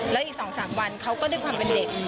แล้วอีกสองสักวันเขาก็ด้วยความเป็นเหล็ก